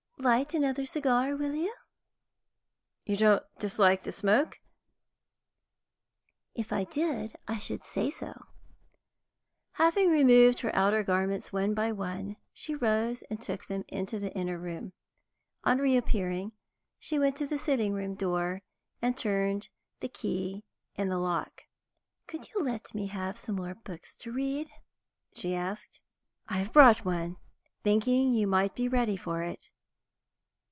Light another cigar, will you?" "You don't dislike the smoke?" "If I did, I should say so." Having removed her outer garments one by one, she rose and took them into the inner room. On reappearing, she went to the sitting room door and turned the key in the lock. "Could you let me have some more books to read?" she asked. "I have brought one, thinking you might be ready for it."